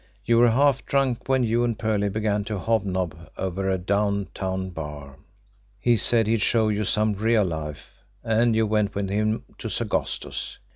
You were half drunk when you and Perley began to hobnob over a downtown bar. He said he'd show you some real life, and you went with him to Sagosto's.